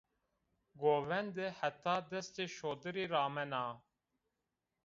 Govende heta destê şodirî ramena